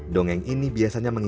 dongeng ini biasanya menyebut sebagai